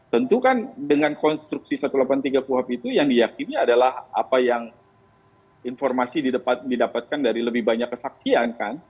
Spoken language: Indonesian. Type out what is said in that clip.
tentu kan dengan konstruksi satu ratus delapan puluh tiga kuhap itu yang diyakini adalah apa yang informasi didapatkan dari lebih banyak kesaksian kan